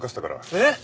えっ！？